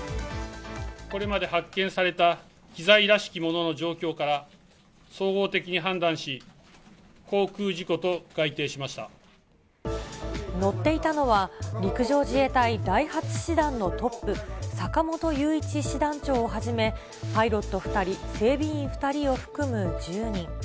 これまで発見された機材らしきものの状況から、総合的に判断し、乗っていたのは、陸上自衛隊第８師団のトップ、坂本雄一師団長をはじめ、パイロット２人、整備員２人を含む１０人。